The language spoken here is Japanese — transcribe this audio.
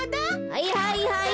はいはいはい。